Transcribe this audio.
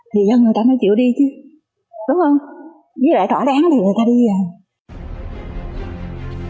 thì dân người ta mới chịu đi chứ đúng không với lại rõ ràng là người ta đi rồi